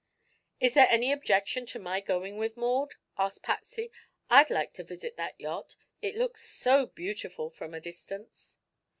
"Is there any objection to my going with Maud?" asked Patsy. "I'd like to visit that yacht; it looks so beautiful from a distance."